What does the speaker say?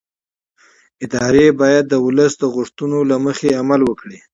ادارې باید د ولس د غوښتنو له مخې عمل وکړي